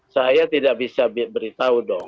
saya tidak bisa beritahu dong